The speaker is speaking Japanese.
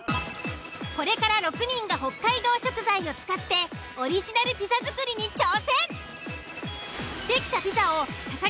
これから６人が北海道食材を使ってオリジナルピザ作りに挑戦。